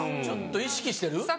ちょっと意識してる？